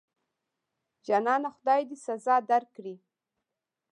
جانانه خدای دې سزا درکړي.